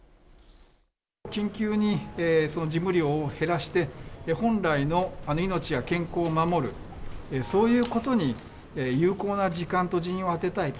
緊急に事務量を減らして、本来の命や健康を守る、そういうことに有効な時間と人員を充てたい。